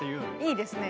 いいですね。